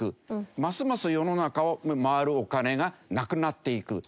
ますます世の中を回るお金がなくなっていく。